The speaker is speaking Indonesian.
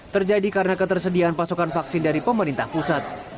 terjadi karena ketersediaan pasokan vaksin dari pemerintah pusat